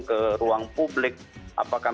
ke ruang publik apakah